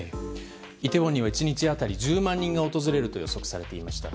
イテウォンには１日当たり１０万人が訪れると予想されていました。